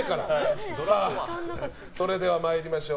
それでは参りましょう。